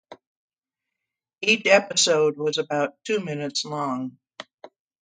Each episode was about two minutes long.